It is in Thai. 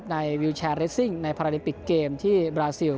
วิวแชร์เรสซิ่งในพาราลิมปิกเกมที่บราซิล